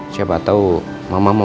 siapa tau mama mau makan